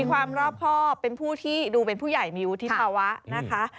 ความลอบควอเป็นผู้ที่ดูใหม่เป็นผู้ใยมีอุทิศภาวะนะคะ